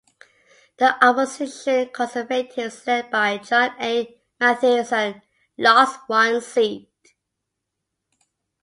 The opposition Conservatives, led by John A. Mathieson, lost one seat.